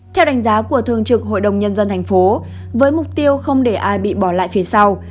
theo đánh giá của thường trực hội đồng nhân dân thành phố với mục tiêu không để ai bị bỏ lại phía sau